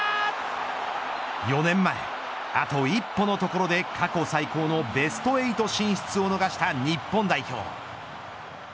４年前、あと一歩のところで過去最高のベスト８進出を逃した日本代表。